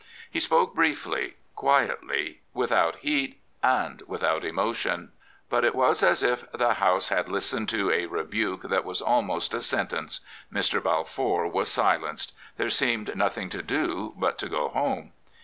He spoke briefly, quietly, without heat, and without emotion. But it was as if the House had listened to a rebuke that was almost a sentence. Mr. Balfour was silenced. There seemed nothing to do but to go home.